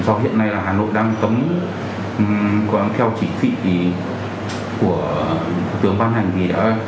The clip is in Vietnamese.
ở hà nội tôi đang cấm theo chỉ phị của tướng ban hành thì đã thuê